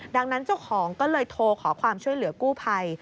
ดังนั้นเจ้าของก็เลยโทรขอความช่วยเหลือกู้ภัย